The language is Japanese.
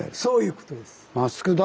そういうことです。